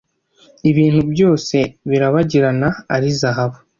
Ibintu byose birabagirana ari zahabu.